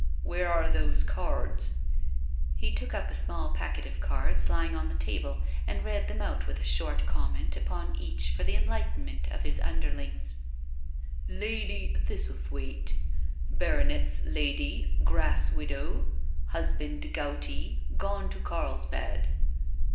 Where are those cards?" He took up a small packet of cards lying on the table and read them out with a short THE DINNER PARTY 211 comment upon each for the enlightenment of his under lings :•* Lady Thistlethwaite— Baronet's lady, grass widow I husband gouty, gone to Carlsbad.